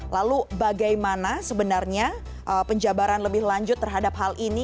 lalu bagaimana sebenarnya penjabaran lebih lanjut terhadap hal ini